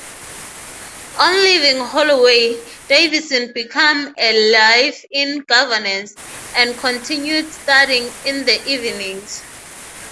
On leaving Holloway, Davison became a live-in governess, and continued studying in the evenings.